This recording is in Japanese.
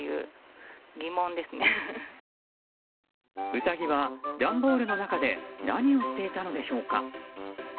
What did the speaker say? ウサギは段ボールの中で何をしていたのでしょうか。